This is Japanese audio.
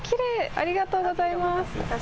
ありがとうございます。